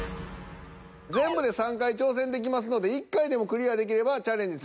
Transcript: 全部で３回挑戦できますので１回でもクリアできればチャレンジ